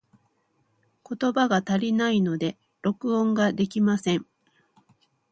言葉が足りないので、録音ができません。